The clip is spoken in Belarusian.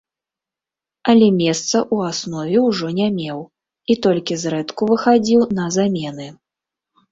Але месца ў аснове ўжо не меў і толькі зрэдку выхадзіў на замены.